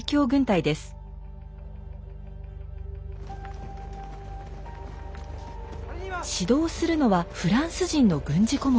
指導するのはフランス人の軍事顧問たち。